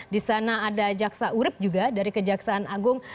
di sana ada jaksa urip juga dari kejaksaan agung